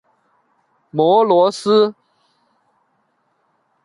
摩罗斯。